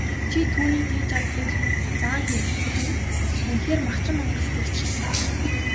"Чи түүнийг тэгж ал" гэж заан хэлэлцэх нь үнэхээр махчин мангас гэгч шиг.